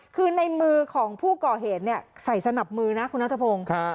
คือในมือของผู้ก่อเหตุเนี่ยใส่สนับมือนะคุณนัทพงศ์